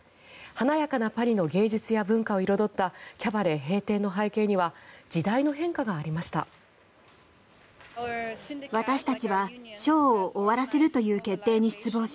華やかなパリの芸術や文化を彩ったキャバレー閉店の背景には時代の変化がありました。